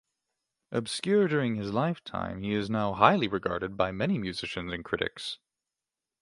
Obscure during his lifetime, he is now highly regarded by many musicians and critics.